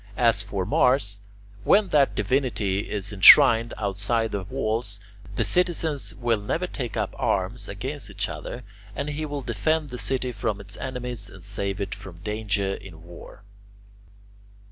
As for Mars, when that divinity is enshrined outside the walls, the citizens will never take up arms against each other, and he will defend the city from its enemies and save it from danger in war.